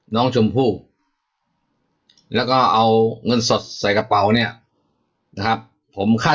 น้องศูนร์ผู้แล้วก็เอาเงินสดใส่กระเป๋านี้นะครับผมคาด